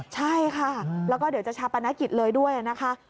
ใช่ค่ะแล้วก็เดี๋ยวจะชาปนกิจเลยด้วยนะคะ